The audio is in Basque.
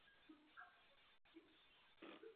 Zoritxarrez ezin izan zuen proiektua burutu.